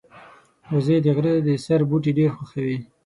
وزې د غره د سر بوټي ډېر خوښوي